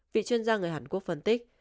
vị chuyên gia người hàn quốc phân tích